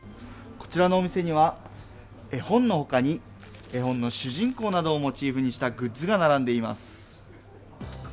こちらのお店には、絵本のほかに、絵本の主人公などをモチーフにしたグッズが並んでいます。